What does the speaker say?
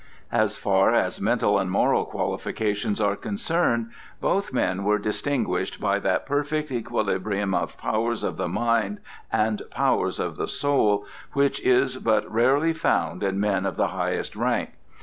As far as mental and moral qualifications are concerned, both men were distinguished by that perfect equilibrium of powers of the mind and powers of the soul, which is but rarely found in men of the highest rank.